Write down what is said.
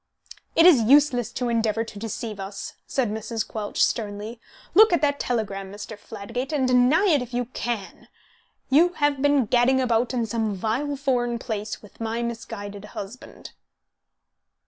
"It is useless to endeavour to deceive us," said Mrs. Quelch, sternly. "Look at that telegram, Mr. Fladgate, and deny it if you can. You have been gadding about in some vile foreign place with my misguided husband."